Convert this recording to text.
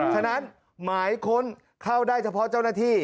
ฉะนั้นหมายค้นเข้าได้เฉพาะเจ้าหน้าที่